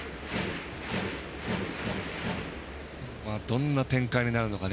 どんな展開になるのか。